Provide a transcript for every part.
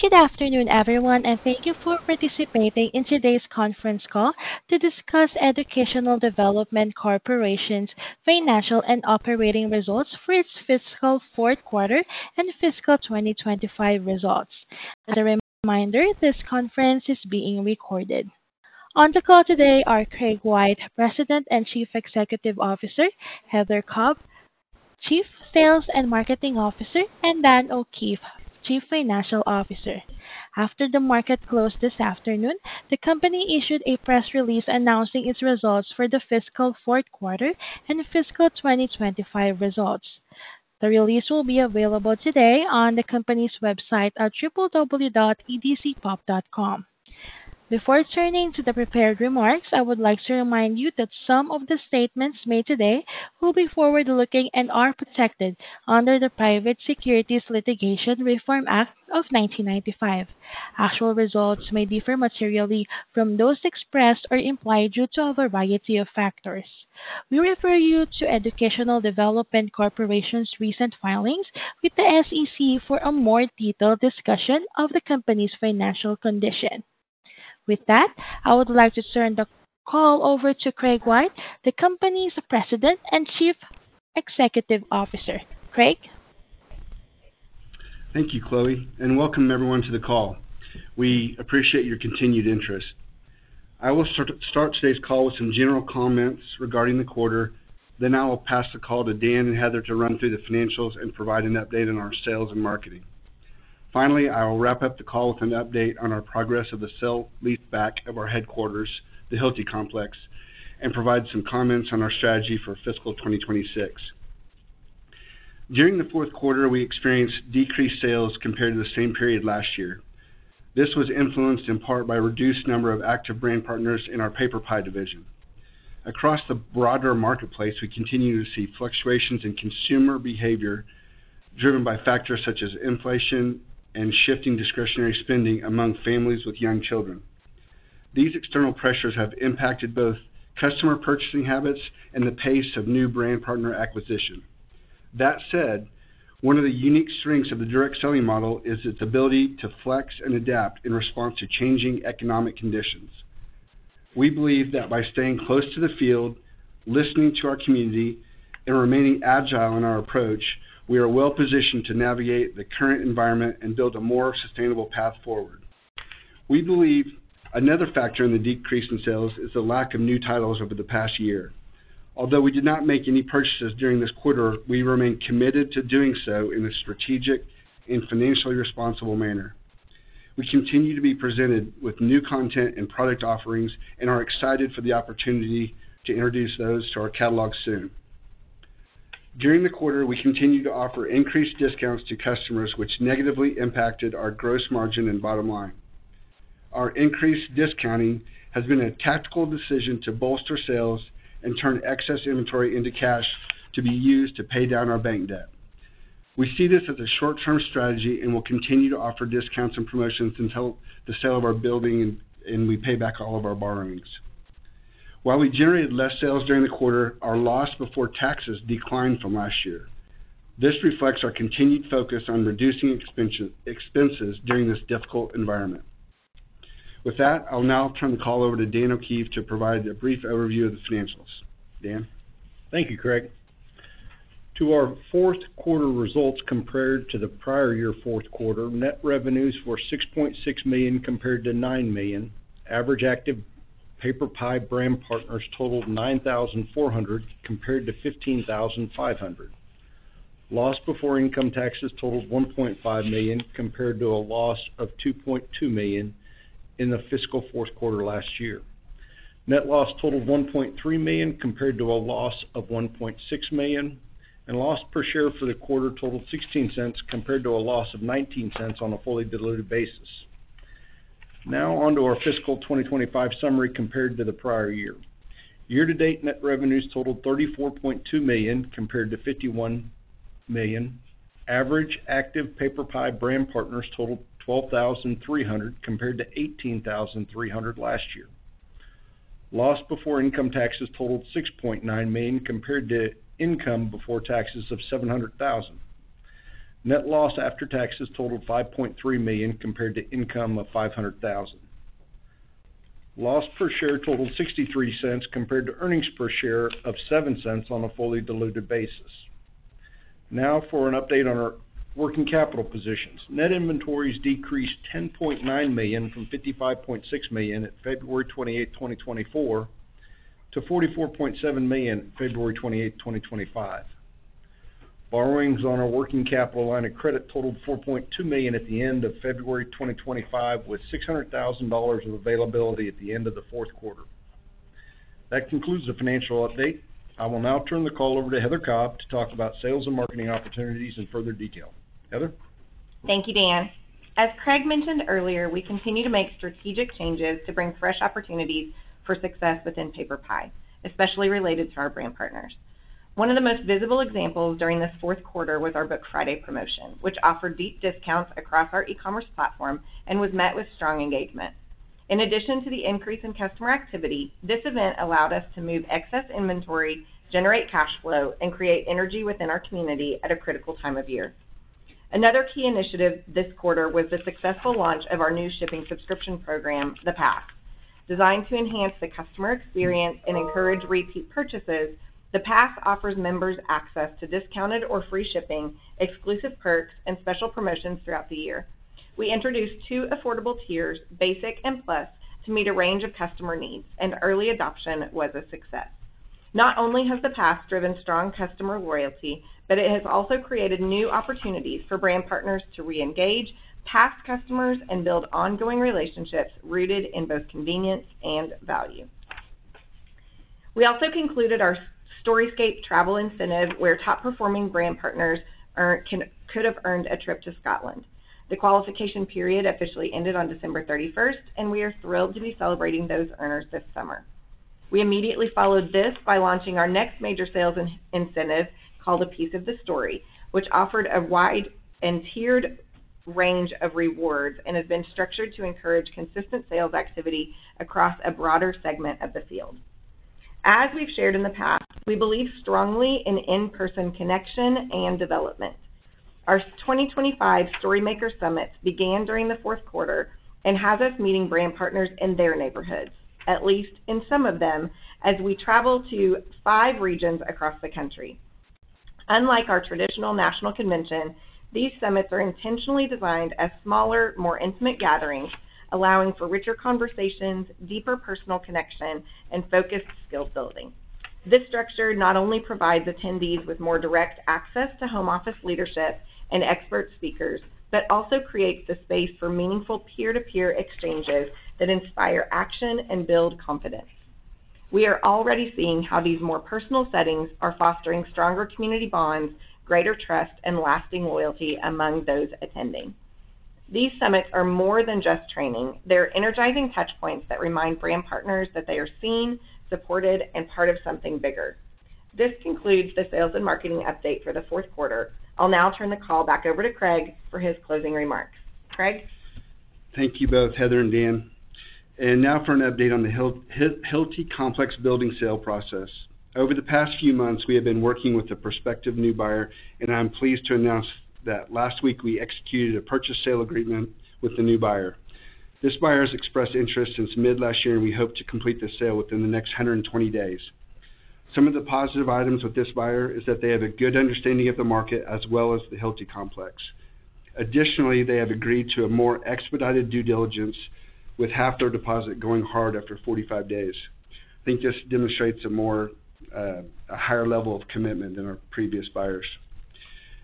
Good afternoon, everyone, and thank you for participating in today's conference call to discuss Educational Development Corporation's Financial and Operating Results for its Fiscal Fourth Quarter and Fiscal 2025 results. As a reminder, this conference is being recorded. On the call today are Craig White, President and Chief Executive Officer; Heather Cobb, Chief Sales and Marketing Officer; and Dan O'Keefe, Chief Financial Officer. After the market closed this afternoon, the company issued a press release announcing its results for the fiscal fourth quarter and fiscal 2025 results. The release will be available today on the company's website at www.edcpopp.com. Before turning to the prepared remarks, I would like to remind you that some of the statements made today will be forward-looking and are protected under the Private Securities Litigation Reform Act of 1995. Actual results may differ materially from those expressed or implied due to a variety of factors. We refer you to Educational Development Corporation's recent filings with the SEC for a more detailed discussion of the company's financial condition. With that, I would like to turn the call over to Craig White, the company's President and Chief Executive Officer. Craig? Thank you, Chloe, and welcome everyone to the call. We appreciate your continued interest. I will start today's call with some general comments regarding the quarter. I will pass the call to Dan and Heather to run through the financials and provide an update on our sales and marketing. Finally, I will wrap up the call with an update on our progress of the sale-leaseback of our headquarters, the Hilti Complex, and provide some comments on our strategy for fiscal 2026. During the fourth quarter, we experienced decreased sales compared to the same period last year. This was influenced in part by a reduced number of active brand partners in our PaperPie division. Across the broader marketplace, we continue to see fluctuations in consumer behavior driven by factors such as inflation and shifting discretionary spending among families with young children. These external pressures have impacted both customer purchasing habits and the pace of new brand partner acquisition. That said, one of the unique strengths of the direct selling model is its ability to flex and adapt in response to changing economic conditions. We believe that by staying close to the field, listening to our community, and remaining agile in our approach, we are well positioned to navigate the current environment and build a more sustainable path forward. We believe another factor in the decrease in sales is the lack of new titles over the past year. Although we did not make any purchases during this quarter, we remain committed to doing so in a strategic and financially responsible manner. We continue to be presented with new content and product offerings and are excited for the opportunity to introduce those to our catalog soon. During the quarter, we continued to offer increased discounts to customers, which negatively impacted our gross margin and bottom line. Our increased discounting has been a tactical decision to bolster sales and turn excess inventory into cash to be used to pay down our bank debt. We see this as a short-term strategy and will continue to offer discounts and promotions until the sale of our building and we pay back all of our borrowings. While we generated less sales during the quarter, our loss before income taxes declined from last year. This reflects our continued focus on reducing expenses during this difficult environment. With that, I'll now turn the call over to Dan O'Keefe to provide a brief overview of the financials. Dan? Thank you, Craig. To our fourth quarter results compared to the prior year fourth quarter, net revenues were $6.6 million compared to $9 million. Average active PaperPie brand partners totaled 9,400 compared to 15,500. Loss before income taxes totaled $1.5 million compared to a loss of $2.2 million in the fiscal fourth quarter last year. Net loss totaled $1.3 million compared to a loss of $1.6 million, and loss per share for the quarter totaled $0.16 compared to a loss of $0.19 on a fully diluted basis. Now on to our fiscal 2025 summary compared to the prior year. Year-to-date net revenues totaled $34.2 million compared to $51 million. Average active PaperPie brand partners totaled 12,300 compared to 18,300 last year. Loss before income taxes totaled $6.9 million compared to income before taxes of $700,000. Net loss after taxes totaled $5.3 million compared to income of $500,000. Loss per share totaled $0.63 compared to earnings per share of $0.07 on a fully diluted basis. Now for an update on our working capital positions. Net inventories decreased $10.9 million from $55.6 million at February 28, 2024, to $44.7 million at February 28, 2025. Borrowings on our working capital line of credit totaled $4.2 million at the end of February 2025, with $600,000 of availability at the end of the fourth quarter. That concludes the financial update. I will now turn the call over to Heather Cobb to talk about sales and marketing opportunities in further detail. Heather? Thank you, Dan. As Craig mentioned earlier, we continue to make strategic changes to bring fresh opportunities for success within PaperPie, especially related to our brand partners. One of the most visible examples during this fourth quarter was our Book Friday promotion, which offered deep discounts across our e-commerce platform and was met with strong engagement. In addition to the increase in customer activity, this event allowed us to move excess inventory, generate cash flow, and create energy within our community at a critical time of year. Another key initiative this quarter was the successful launch of our new shipping subscription program, The Pass. Designed to enhance the customer experience and encourage repeat purchases, The Pass offers members access to discounted or free shipping, exclusive perks, and special promotions throughout the year. We introduced two affordable tiers, Basic and Plus, to meet a range of customer needs, and early adoption was a success. Not only has The Pass driven strong customer loyalty, but it has also created new opportunities for brand partners to re-engage past customers and build ongoing relationships rooted in both convenience and value. We also concluded our StoryScape Travel Incentive, where top-performing brand partners could have earned a trip to Scotland. The qualification period officially ended on December 31, and we are thrilled to be celebrating those earners this summer. We immediately followed this by launching our next major sales incentive called A Piece of the Story, which offered a wide and tiered range of rewards and has been structured to encourage consistent sales activity across a broader segment of the field. As we've shared in the past, we believe strongly in in-person connection and development. Our 2025 StoryMaker Summits began during the fourth quarter and has us meeting brand partners in their neighborhoods, at least in some of them, as we travel to five regions across the country. Unlike our traditional national convention, these summits are intentionally designed as smaller, more intimate gatherings, allowing for richer conversations, deeper personal connection, and focused skills building. This structure not only provides attendees with more direct access to home office leadership and expert speakers, but also creates the space for meaningful peer-to-peer exchanges that inspire action and build confidence. We are already seeing how these more personal settings are fostering stronger community bonds, greater trust, and lasting loyalty among those attending. These summits are more than just training. They're energizing touchpoints that remind brand partners that they are seen, supported, and part of something bigger. This concludes the sales and marketing update for the fourth quarter. I'll now turn the call back over to Craig for his closing remarks. Craig? Thank you both, Heather and Dan. Now for an update on the Hilti Complex building sale process. Over the past few months, we have been working with a prospective new buyer, and I'm pleased to announce that last week we executed a purchase sale agreement with the new buyer. This buyer has expressed interest since mid-last year, and we hope to complete this sale within the next 120 days. Some of the positive items with this buyer are that they have a good understanding of the market as well as the Hilti Complex. Additionally, they have agreed to a more expedited due diligence, with half their deposit going hard after 45 days. I think this demonstrates a higher level of commitment than our previous buyers.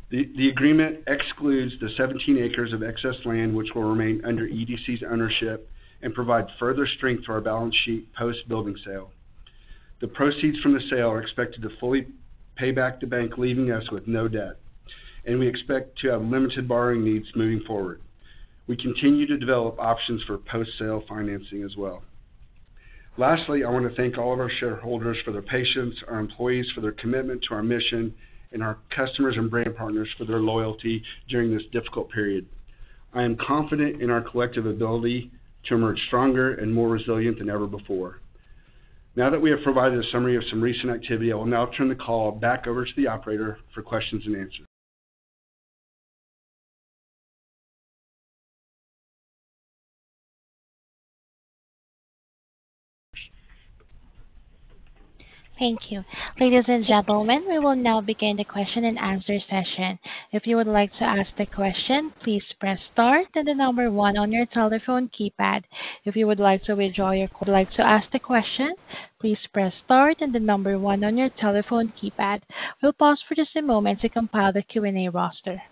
The agreement excludes the 17 acres of excess land, which will remain under EDC's ownership and provide further strength to our balance sheet post-building sale. The proceeds from the sale are expected to fully pay back the bank, leaving us with no debt, and we expect to have limited borrowing needs moving forward. We continue to develop options for post-sale financing as well. Lastly, I want to thank all of our shareholders for their patience, our employees for their commitment to our mission, and our customers and brand partners for their loyalty during this difficult period. I am confident in our collective ability to emerge stronger and more resilient than ever before. Now that we have provided a summary of some recent activity, I will now turn the call back over to the operator for questions and answers. Thank you. Ladies and gentlemen, we will now begin the question-and-answer session. If you would like to ask the question, please press star and the number one on your telephone keypad. If you would like to withdraw your question, please press star and the number one on your telephone keypad. We'll pause for just a moment to compile the Q&A roster.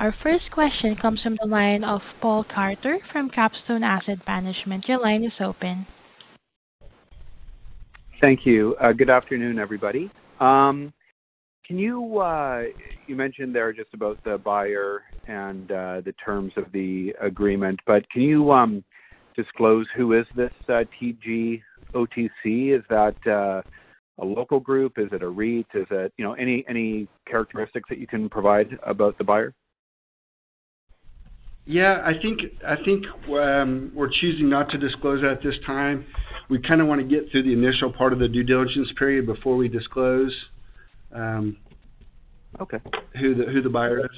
Our first question comes from the line of Paul Carter from Capstone Asset Management. Your line is open. Thank you. Good afternoon, everybody. You mentioned there are just about the buyer and the terms of the agreement, but can you disclose who is this TGOTC? Is that a local group? Is it a REIT? Is it any characteristics that you can provide about the buyer? Yeah. I think we're choosing not to disclose that at this time. We kind of want to get through the initial part of the due diligence period before we disclose who the buyer is.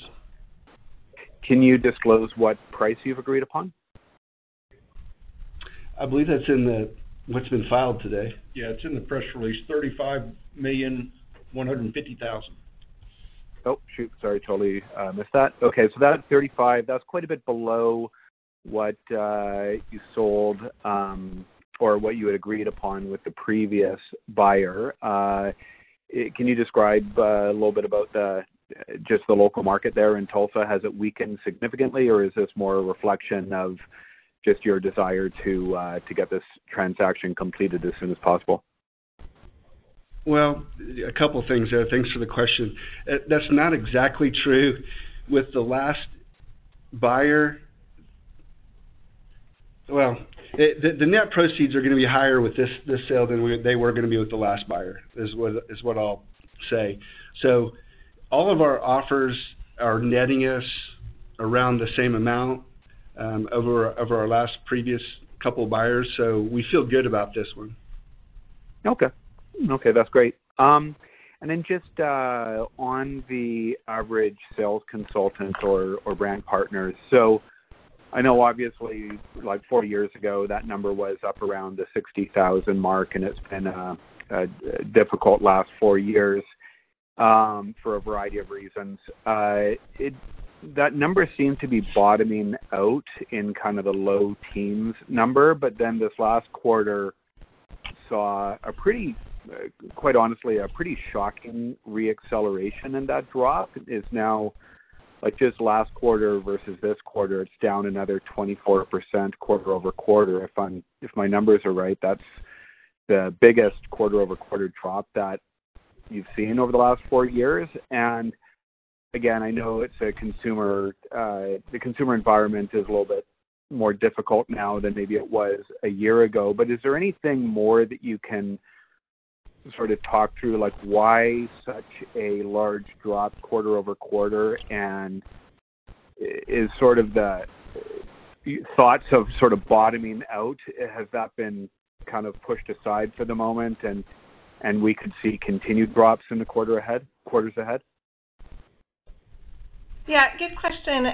Can you disclose what price you've agreed upon? I believe that's in what's been filed today. Yeah, it's in the press release, $35,150,000. Oh, shoot. Sorry, totally missed that. Okay. So that's $35,000,000. That's quite a bit below what you sold or what you had agreed upon with the previous buyer. Can you describe a little bit about just the local market there in Tulsa? Has it weakened significantly, or is this more a reflection of just your desire to get this transaction completed as soon as possible? A couple of things there. Thanks for the question. That's not exactly true with the last buyer. The net proceeds are going to be higher with this sale than they were going to be with the last buyer, is what I'll say. All of our offers are netting us around the same amount over our last previous couple of buyers, so we feel good about this one. Okay. Okay. That's great. And then just on the average sales consultant or brand partners, so I know obviously four years ago that number was up around the $60,000 mark, and it's been a difficult last four years for a variety of reasons. That number seemed to be bottoming out in kind of the low teens number, but then this last quarter saw, quite honestly, a pretty shocking re-acceleration in that drop. It's now, just last quarter versus this quarter, it's down another 24% quarter over quarter, if my numbers are right. That's the biggest quarter over quarter drop that you've seen over the last four years. And again, I know the consumer environment is a little bit more difficult now than maybe it was a year ago, but is there anything more that you can sort of talk through? Why such a large drop quarter over quarter? Is sort of the thoughts of sort of bottoming out, has that been kind of pushed aside for the moment? We could see continued drops in the quarters ahead? Yeah. Good question.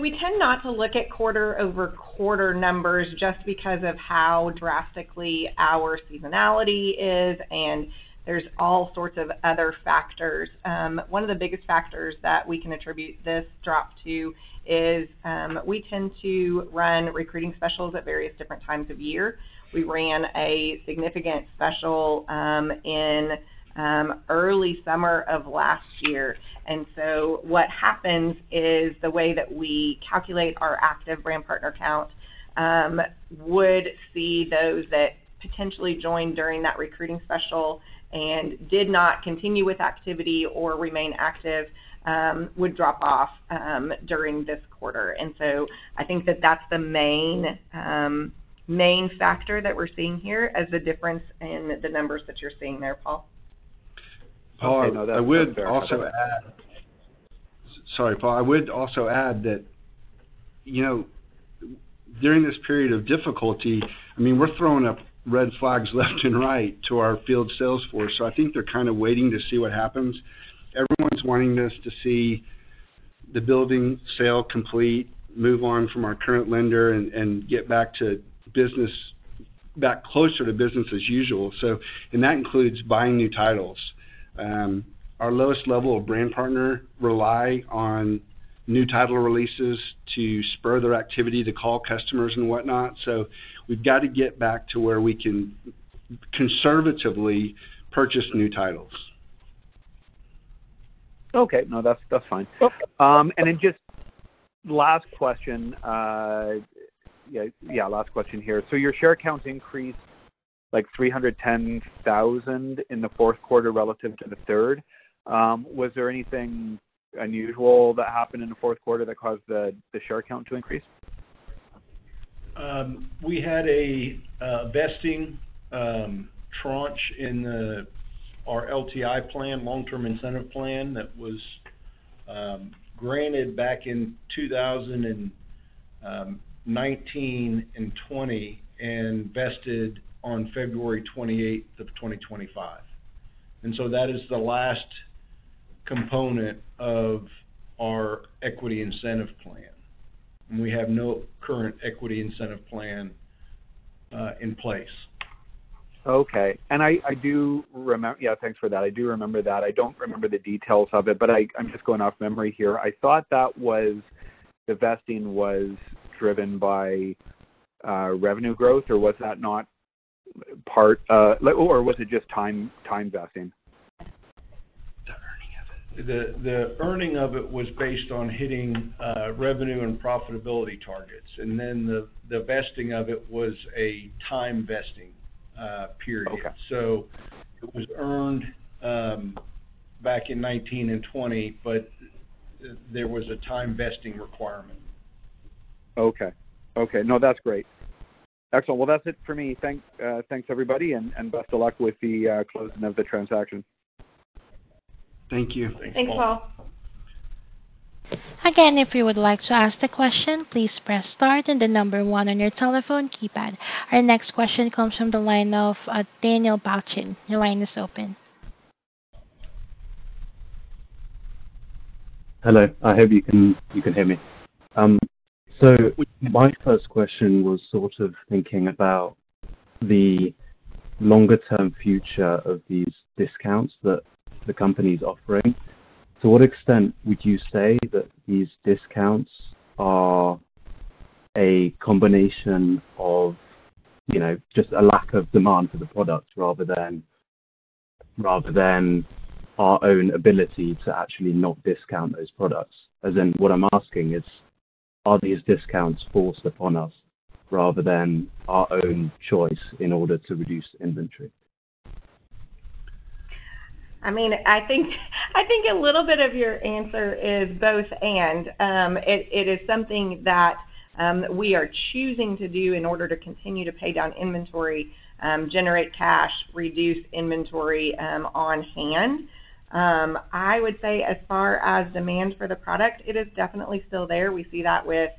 We tend not to look at quarter over quarter numbers just because of how drastically our seasonality is, and there are all sorts of other factors. One of the biggest factors that we can attribute this drop to is we tend to run recruiting specials at various different times of year. We ran a significant special in early summer of last year. What happens is the way that we calculate our active brand partner count would see those that potentially joined during that recruiting special and did not continue with activity or remain active would drop off during this quarter. I think that that is the main factor that we are seeing here as the difference in the numbers that you are seeing there, Paul. I would also add—sorry, Paul—I would also add that during this period of difficulty, I mean, we're throwing up red flags left and right to our field sales force. I think they're kind of waiting to see what happens. Everyone's wanting us to see the building sale complete, move on from our current lender, and get back closer to business as usual. That includes buying new titles. Our lowest level of brand partner relies on new title releases to spur their activity to call customers and whatnot. We have to get back to where we can conservatively purchase new titles. Okay. No, that's fine. And then just last question—yeah, last question here. So your share count increased like $310,000 in the fourth quarter relative to the third. Was there anything unusual that happened in the fourth quarter that caused the share count to increase? We had a vesting tranche in our LTI plan, long-term incentive plan, that was granted back in 2019 and 2020 and vested on February 28th of 2025. That is the last component of our equity incentive plan. We have no current equity incentive plan in place. Okay. Yeah, thanks for that. I do remember that. I do not remember the details of it, but I am just going off memory here. I thought that the vesting was driven by revenue growth, or was that not part, or was it just time vesting? The earning of it was based on hitting revenue and profitability targets. The vesting of it was a time vesting period. It was earned back in 2019 and 2020, but there was a time vesting requirement. Okay. Okay. No, that's great. Excellent. That's it for me. Thanks, everybody, and best of luck with the closing of the transaction. Thank you. Thanks, Paul. Again, if you would like to ask the question, please press star and the number one on your telephone keypad. Our next question comes from the line of Daniel Bowchin. Your line is open. Hello. I hope you can hear me. My first question was sort of thinking about the longer-term future of these discounts that the company is offering. To what extent would you say that these discounts are a combination of just a lack of demand for the product rather than our own ability to actually not discount those products? As in, what I'm asking is, are these discounts forced upon us rather than our own choice in order to reduce inventory? I mean, I think a little bit of your answer is both/and. It is something that we are choosing to do in order to continue to pay down inventory, generate cash, reduce inventory on hand. I would say as far as demand for the product, it is definitely still there. We see that with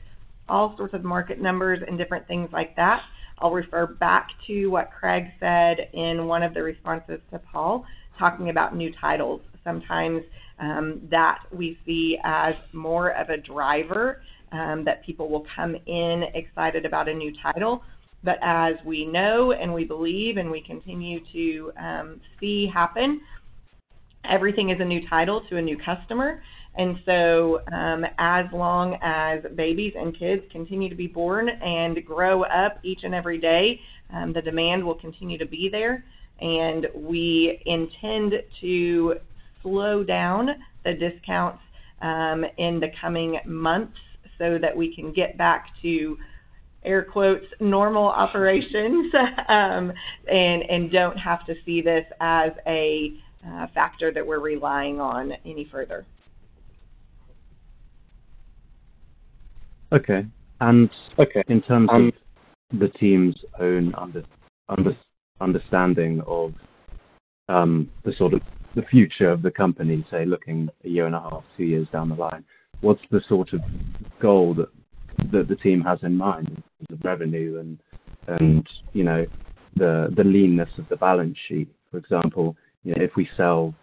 all sorts of market numbers and different things like that. I'll refer back to what Craig said in one of the responses to Paul, talking about new titles. Sometimes that we see as more of a driver that people will come in excited about a new title. As we know and we believe and we continue to see happen, everything is a new title to a new customer. As long as babies and kids continue to be born and grow up each and every day, the demand will continue to be there. We intend to slow down the discounts in the coming months so that we can get back to, air quotes, "normal operations" and do not have to see this as a factor that we are relying on any further. Okay. In terms of the team's own understanding of the sort of future of the company, say, looking a year and a half, two years down the line, what's the sort of goal that the team has in mind in terms of revenue and the leanness of the balance sheet? For example, if we sell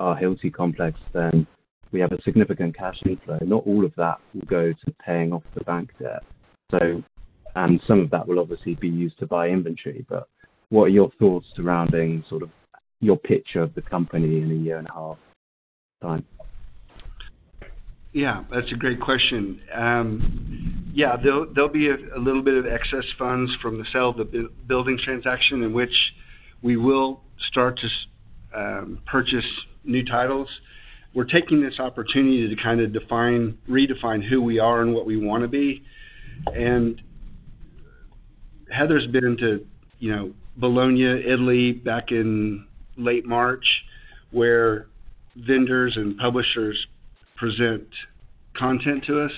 our Hilti Complex, then we have a significant cash inflow. Not all of that will go to paying off the bank debt. Some of that will obviously be used to buy inventory. What are your thoughts surrounding sort of your picture of the company in a year and a half time? Yeah. That's a great question. Yeah. There'll be a little bit of excess funds from the sale of the building transaction in which we will start to purchase new titles. We're taking this opportunity to kind of redefine who we are and what we want to be. Heather's been to Bologna, Italy back in late March where vendors and publishers present content to us.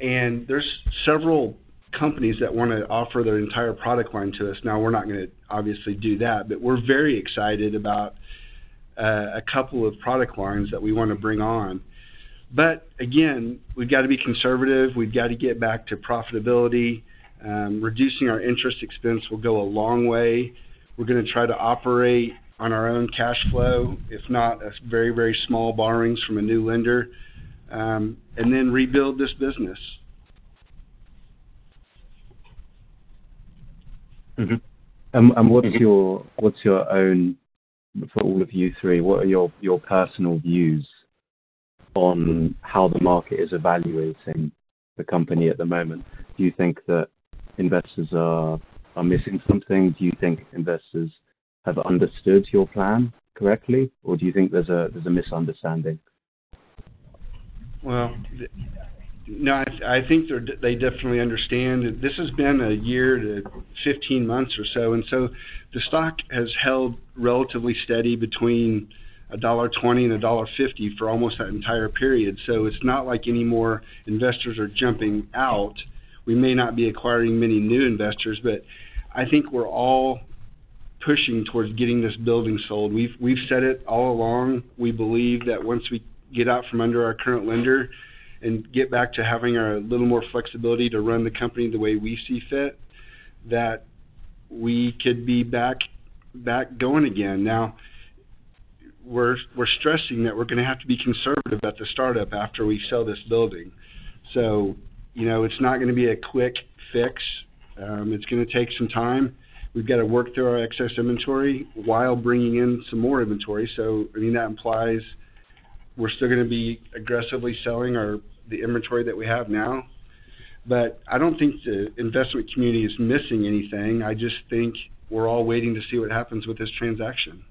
There are several companies that want to offer their entire product line to us. Now, we're not going to obviously do that, but we're very excited about a couple of product lines that we want to bring on. Again, we've got to be conservative. We've got to get back to profitability. Reducing our interest expense will go a long way. We're going to try to operate on our own cash flow, if not very, very small borrowings from a new lender, and then rebuild this business. What is your own, for all three of you? What are your personal views on how the market is evaluating the company at the moment? Do you think that investors are missing something? Do you think investors have understood your plan correctly, or do you think there is a misunderstanding? I think they definitely understand. This has been a year to 15 months or so. The stock has held relatively steady between $1.20 and $1.50 for almost that entire period. It is not like any more investors are jumping out. We may not be acquiring many new investors, but I think we are all pushing towards getting this building sold. We have said it all along. We believe that once we get out from under our current lender and get back to having a little more flexibility to run the company the way we see fit, we could be back going again. Now, we are stressing that we are going to have to be conservative at the startup after we sell this building. It is not going to be a quick fix. It is going to take some time. We've got to work through our excess inventory while bringing in some more inventory. I mean, that implies we're still going to be aggressively selling the inventory that we have now. I don't think the investment community is missing anything. I just think we're all waiting to see what happens with this transaction.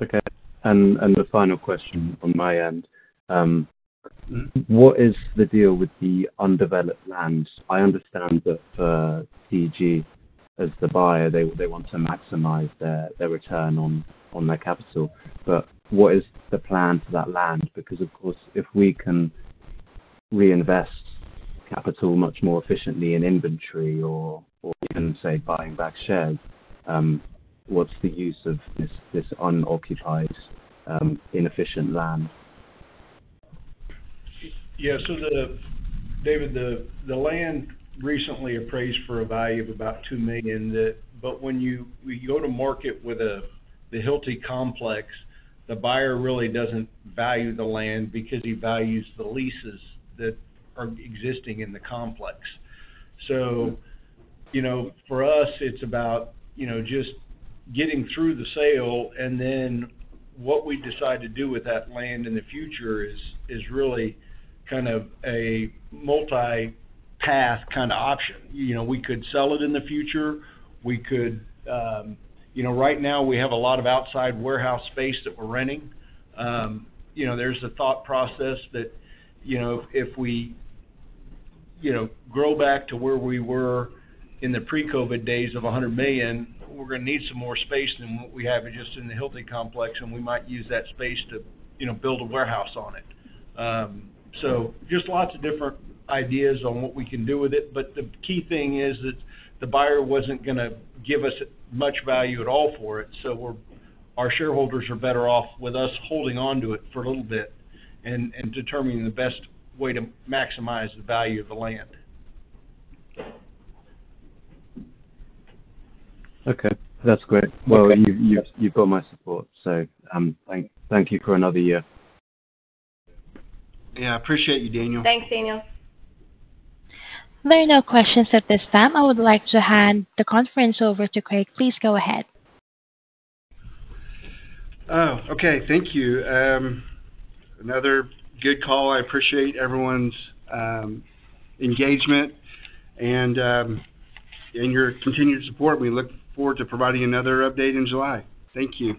Okay. The final question on my end. What is the deal with the undeveloped land? I understand that DG, as the buyer, they want to maximize their return on their capital. What is the plan for that land? Of course, if we can reinvest capital much more efficiently in inventory or even, say, buying back shares, what is the use of this unoccupied, inefficient land? Yeah. So David, the land recently appraised for a value of about $2 million. When you go to market with the Hilti Complex, the buyer really does not value the land because he values the leases that are existing in the complex. For us, it is about just getting through the sale. What we decide to do with that land in the future is really kind of a multi-path kind of option. We could sell it in the future. Right now, we have a lot of outside warehouse space that we are renting. There is a thought process that if we grow back to where we were in the pre-COVID days of $100 million, we are going to need some more space than what we have just in the Hilti Complex, and we might use that space to build a warehouse on it. Just lots of different ideas on what we can do with it. The key thing is that the buyer was not going to give us much value at all for it. Our shareholders are better off with us holding on to it for a little bit and determining the best way to maximize the value of the land. Okay. That's great. You've got my support. Thank you for another year. Yeah. I appreciate you, Daniel. Thanks, Daniel. There are no questions at this time. I would like to hand the conference over to Craig. Please go ahead. Oh, okay. Thank you. Another good call. I appreciate everyone's engagement and your continued support. We look forward to providing another update in July. Thank you.